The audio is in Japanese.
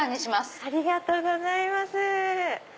ありがとうございます。